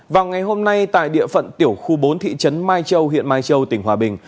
vào ngày hôm nay tại địa phận tiểu khu bốn thị trấn mai châu huyện mai châu tỉnh hòa bình